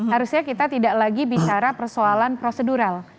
harusnya kita tidak lagi bicara persoalan prosedural